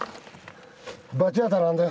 罰当たらんで。